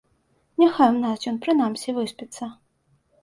Няхай у нас ён прынамсі выспіцца.